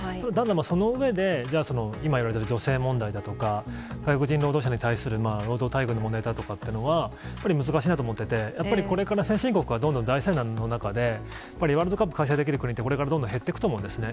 その上で、じゃあ、今言われた女性問題だとか、外国人労働者に対する労働待遇の問題だとかっていうのは、やっぱり難しいなと思ってて、やっぱりこれから先進国はどんどん財政難の中で、やっぱりワールドカップ開催できる国ってこれからどんどん減っていくと思うんですよね。